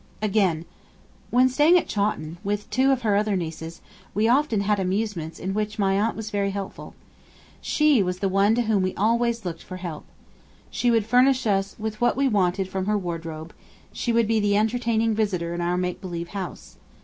Again: 'When staying at Chawton, with two of her other nieces, we often had amusements in which my aunt was very helpful. She was the one to whom we always looked for help. She would furnish us with what we wanted from her wardrobe; and she would be the entertaining visitor in our make believe house.